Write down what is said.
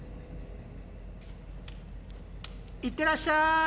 いってらっしゃい！